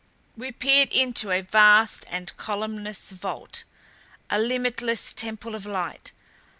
We peered into a vast and columnless vault, a limitless temple of light.